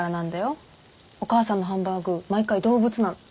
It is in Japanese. お母さんのハンバーグ毎回動物なの。